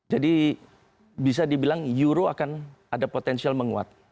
jadi bisa dibilang euro akan ada potensial menguat